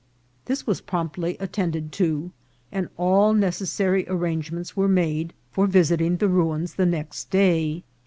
This was promptly attended to, and all necessary arrangements were made for vis 288 INCIDENTS OF TRAVEL. iting the ruins the next day.